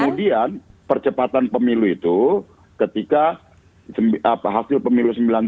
kemudian percepatan pemilu itu ketika hasil pemilu sembilan puluh sembilan